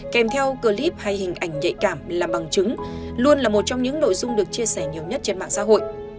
kèm theo clip hay hình ảnh nhạy cảm là bằng chứng luôn là một trong những nội dung được chia sẻ nhiều nhất trên mạng xã hội